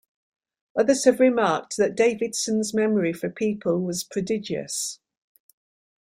Others have remarked that Davidson's memory for people was prodigious.